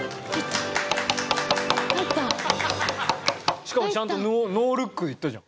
しかもちゃんとノールックでいったじゃん。